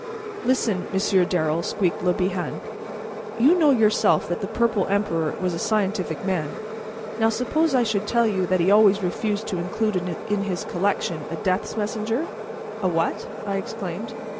"Listen, Monsieur Darrel," squeaked Le Bihan; "you know yourself that the Purple Emperor was a scientific man. Now suppose I should tell you that he always refused to include in his collection a Death's Messenger?" "A what?" I exclaimed.